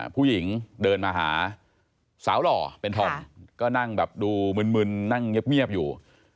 ผู้หญิงเดินมาหาสาวหล่อเป็นธอมก็นั่งแบบดูมึนนั่งเงียบอยู่